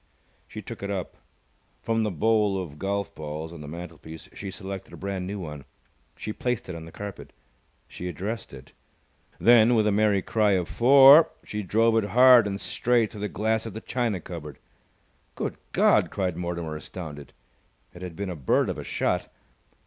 She took it up. From the bowl of golf balls on the mantelpiece she selected a brand new one. She placed it on the carpet. She addressed it. Then, with a merry cry of "Fore!" she drove it hard and straight through the glass of the china cupboard. "Good God!" cried Mortimer, astounded. It had been a bird of a shot.